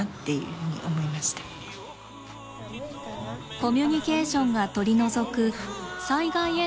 コミュニケーションが取り除く災害への不安。